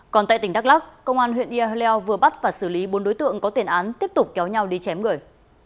còn tại tỉnh đắk lắc công an huyện ia leo vừa bắt và xử lý bốn đối tượng có tiền án tiếp tục kéo nhau đi chém người